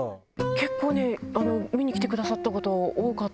結構ね見に来てくださった方多かったんですよ。